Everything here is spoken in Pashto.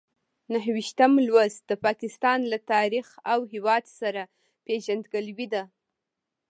نهه ویشتم لوست د پاکستان له تاریخ او هېواد سره پېژندګلوي ده.